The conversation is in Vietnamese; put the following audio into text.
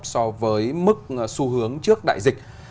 so với mức xu hướng trước đại dịch